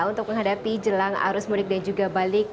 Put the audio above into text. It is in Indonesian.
untuk menghadapi jelang arus mudik dan juga balik